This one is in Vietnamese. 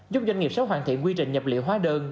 giúp doanh nghiệp sớm hoàn thiện quy trình nhập liệu hóa đơn